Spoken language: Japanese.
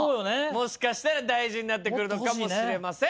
もしかしたら大事になってくるのかもしれません。